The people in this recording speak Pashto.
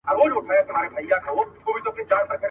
په دنیا کي چي هر څه کتابخانې دي.